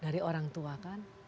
dari orang tua kan